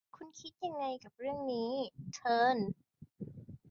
คุณคิดยังไงกับเรื่องนี้ เทิร์น